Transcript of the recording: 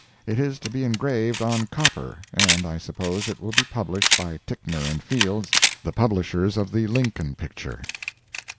It is to be engraved on copper, and I suppose it will be published by Ticknor & Fields, the publishers of the Lincoln picture.